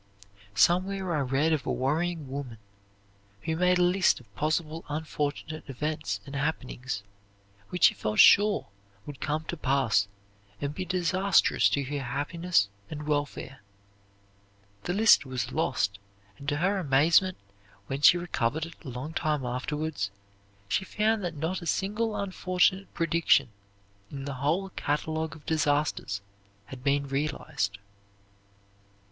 Somewhere I read of a worrying woman who made a list of possible unfortunate events and happenings which she felt sure would come to pass and be disastrous to her happiness and welfare. The list was lost, and to her amazement, when she recovered it, a long time afterwards, she found that not a single unfortunate prediction in the whole catalogue of disasters had been realized.